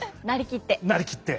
成りきって？